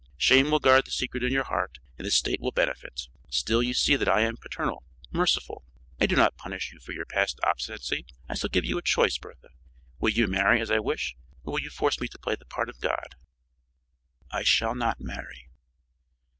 Shame will guard the secret in your heart and the State will benefit. Still you see that I am paternal merciful. I do not punish you for your past obstinacy. I still give you a choice. Bertha, will you marry as I wish, or will you force me to play the part of God?" "I shall not marry."